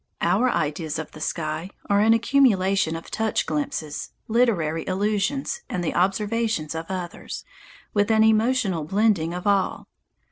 Our ideas of the sky are an accumulation of touch glimpses, literary allusions, and the observations of others, with an emotional blending of all.